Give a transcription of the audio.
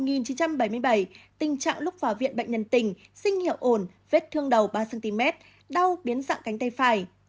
tình trạng lúc vào viện bệnh nhân tình sinh hiệu ồn vết thương đầu ba cm đau biến dạng cánh tay phải